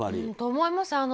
そう思います。